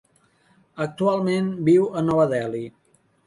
Actualment viu a Nova Delhi.